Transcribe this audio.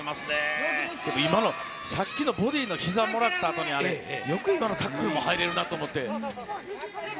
さっきのボディーのひざをもらったあとによく今のタックルに入れるなと思って。